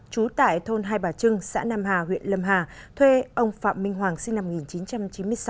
trú tại thôn hai bà trưng xã nam hà huyện lâm hà thuê ông phạm minh hoàng sinh năm một nghìn chín trăm chín mươi sáu